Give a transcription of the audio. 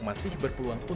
masih berpuluh puluh tahun